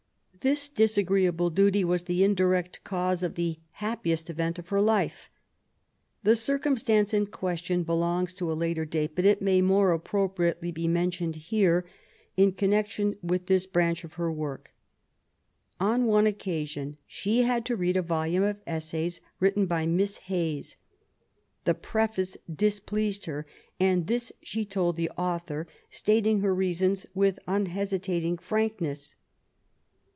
This disagreeable duty was the indirect cause of the happiest event of her life. The circum stance in question belongs to a later date, but it may more appropriately be mentioned here in connection with this 1)ranch of her work. On one occasion she had to read a volume of Essays written by Miss Hayes. The preface displeased her, and this she told the author, stating her reasons with unhesitating frank ness.